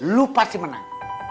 lu pasti menang